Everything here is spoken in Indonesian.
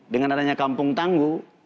dengan adanya kampung tangguh